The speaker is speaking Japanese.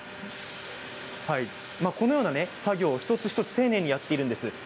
このような作業を一つ一つ丁寧にやっているんです。